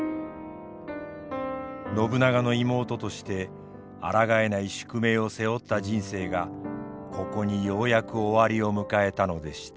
信長の妹としてあらがえない宿命を背負った人生がここにようやく終わりを迎えたのでした。